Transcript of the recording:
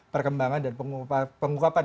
perkembangan dan penguapan